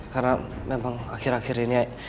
karena memang akhir akhir ini